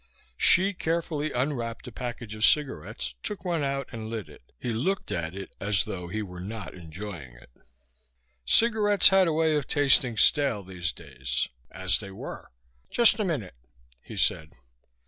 Hsi carefully unwrapped a package of cigarettes, took one out and lit it. He looked at it as though he were not enjoying it; cigarettes had a way of tasting stale these days. As they were. "Just a minute," he said.